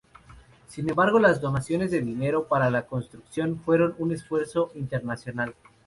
Sin embargo, las donaciones de dinero para la construcción fueron un esfuerzo internacional.